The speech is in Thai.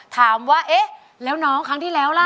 ถามว่าเอ๊ะแล้วน้องครั้งที่แล้วล่ะ